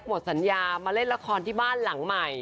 หมดสัญญามาเล่นละครที่บ้านหลังใหม่